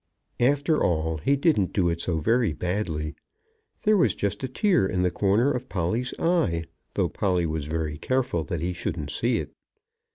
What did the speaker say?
After all, he didn't do it so very badly. There was just a tear in the corner of Polly's eye, though Polly was very careful that he shouldn't see it.